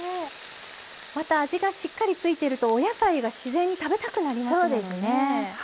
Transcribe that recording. また味がしっかりついてるとお野菜が自然に食べたくなりますものね。